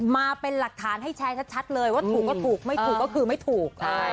มาเป็นหลักฐานให้แชร์ชัดเลยว่าถูกก็ถูกไม่ถูกก็คือไม่ถูก